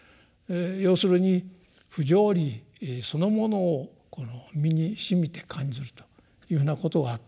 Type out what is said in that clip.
要するに不条理そのものをこの身に染みて感じるというようなことがあったんでしょう。